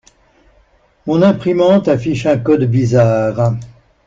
Mon imprimante affiche un code bizarre.